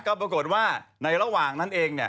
ก็ปรากฏว่าในระหว่างนั้นเอง